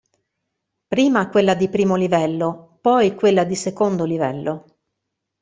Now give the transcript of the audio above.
Prima quella di I° livello, poi quella di II° livello).